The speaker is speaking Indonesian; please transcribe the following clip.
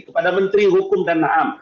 kepada menteri hukum dan ham